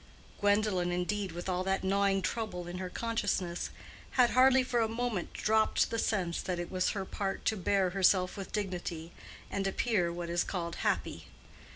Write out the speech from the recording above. Gwendolen, indeed, with all that gnawing trouble in her consciousness, had hardly for a moment dropped the sense that it was her part to bear herself with dignity, and appear what is called happy.